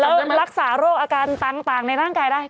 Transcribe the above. แล้วรักษาโรคอาการต่างในร่างกายได้